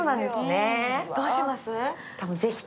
どうします？